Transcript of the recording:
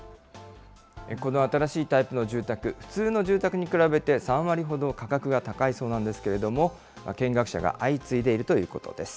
この新しいタイプの住宅、普通の住宅に比べて３割ほど価格が高いそうなんですけれども、見学者が相次いでいるということです。